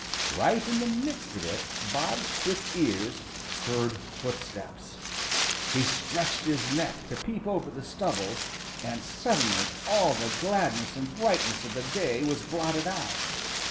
Right in the midst of it Bob's quick ears heard footsteps. He stretched his neck to peep over the stubble, and suddenly all the gladness and brightness of the day was blotted out.